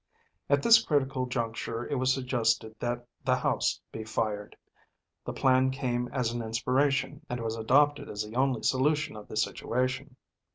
At this critical juncture it was suggested that the house be fired. The plan came as an inspiration, and was adopted as the only solution of the situation.